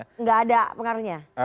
tidak ada pengaruhnya